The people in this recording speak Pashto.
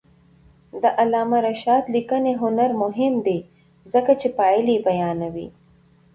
د علامه رشاد لیکنی هنر مهم دی ځکه چې پایلې بیانوي.